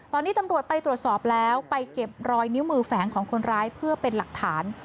ตอนนี้ตำรวจไปตรวจสอบแล้วไปเก็บรอยนิ้วมือแฝงของคนร้ายเพื่อเป็นหลักฐาน